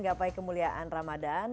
gapai kemuliaan ramadhan